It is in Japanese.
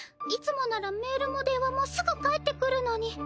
いつもならメールも電話もすぐ返ってくるのに。